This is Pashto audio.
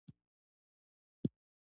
علمي ليکنې په کره ژبه کيږي.